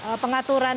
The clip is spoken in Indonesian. jadi ada pengaturan